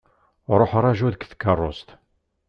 Ṛuḥ ṛaju deg tkeṛṛust.